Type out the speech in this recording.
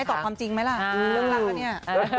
ตอบความจริงไหมล่ะเรื่องราวเนี่ย